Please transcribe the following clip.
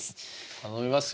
頼みますよ。